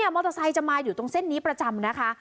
มอเตอร์ไซค์จะมาอยู่ตรงเส้นนี้ประจำนะคะ